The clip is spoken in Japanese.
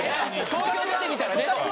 東京出てみたら。